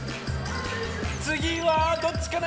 つぎはどっちかな？